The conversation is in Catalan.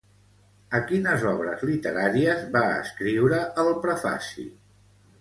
A quines obres literàries va escriure el prefaci?